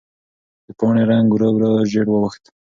د پاڼې رنګ ورو ورو ژېړ واوښت.